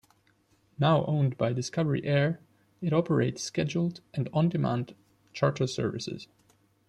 Now owned by Discovery Air, it operates scheduled and on demand charter services.